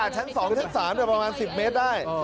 ชั้น๒ชั้น๓ประมาณ๑๐เมตรได้